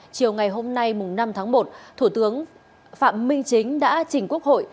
chiều ngày hôm nay năm tháng một thủ tướng phạm minh chính đã trình quốc hội